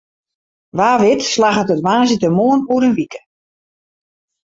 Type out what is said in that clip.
Wa wit slagget it woansdeitemoarn oer in wike.